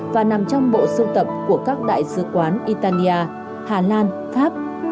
và nằm trong bộ sưu tập của các đại sứ quán italia hà lan pháp